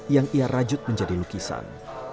yang ia rajut menjadi lukisan